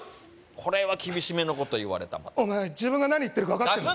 これは厳しめのこと言われたお前自分が何言ってるか分かってんのか？